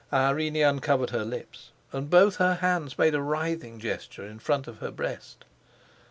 Irene uncovered her lips, and both her hands made a writhing gesture in front of her breast.